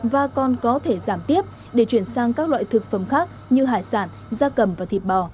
và còn có thể giảm tiếp để chuyển sang các loại thực phẩm khác như hải sản da cầm và thịt bò